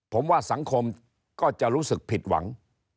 ผมว่าสังคมก็จะรู้สึกผิดหวัง